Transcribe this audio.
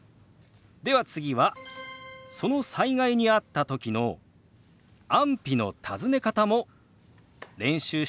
では次はその災害にあったときの安否の尋ね方も練習しておきましょう。